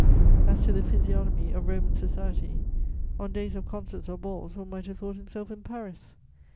As to the physiognomy of Roman society, on days of concerts or balls one might have thought himself in Paris.